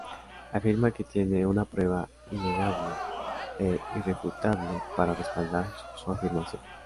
Afirma que tiene una prueba innegable e irrefutable para respaldar su afirmación.